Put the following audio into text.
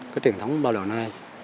cái truyền thống bao lâu nay